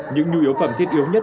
những nhu yếu phẩm thiết yếu nhất